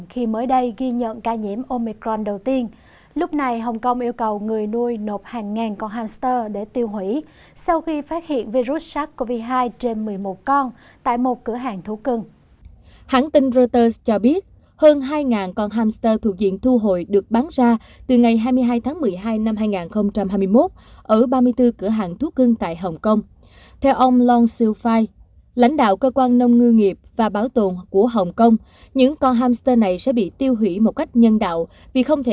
hãy đăng ký kênh để ủng hộ kênh của chúng mình nhé